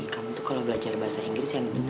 kamu tuh kalau belajar bahasa inggris yang bener